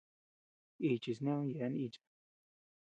Iyu chi sneu yeabean icha.